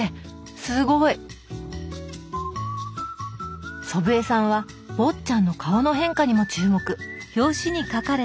すごい！祖父江さんは坊っちゃんの顔の変化にも注目。